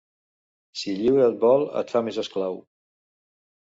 Si lliure et vol, et fa més esclau.